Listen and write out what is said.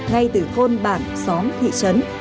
ngay từ khôn bản xóm thị trấn